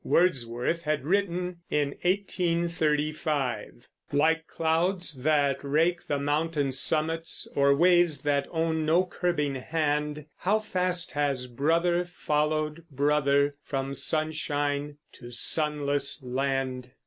Wordsworth had written, in 1835, Like clouds that rake, the mountain summits, Or waves that own no curbing hand, How fast has brother followed brother, From sunshine to the sunless land!